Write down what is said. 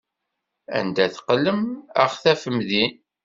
Anda teqqlem, ad ɣ-tafem din!